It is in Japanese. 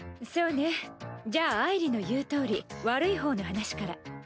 そうねじゃああいりの言うとおり悪い方の話から。